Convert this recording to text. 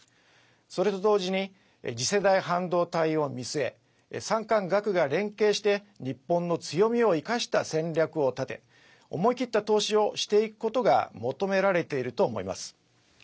それと同時に次世代半導体を見据え産官学が連携して日本の強みを生かした戦略を立て思い切った投資をしていくことが求められていると思います。